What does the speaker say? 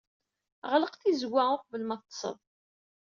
Ɣleq tizewwa uqbel ma teḍḍseḍ.